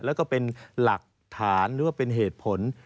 แล้วก็เป็นหลักฐานหรือว่าเป็นเหตุผล